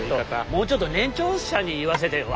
もうちょっと年長者に言わせてよ。